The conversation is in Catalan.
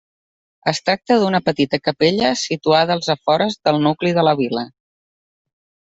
Es tracta d'una petita capella situada als afores del nucli de la vila.